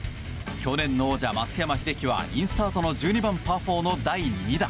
去年の王者、松山英樹はインスタートの１２番、パー４の第２打。